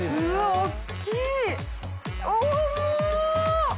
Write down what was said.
大きい。